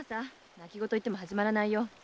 泣きごと言っても始まらないよ。